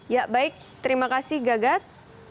ya baik terima kasih gagat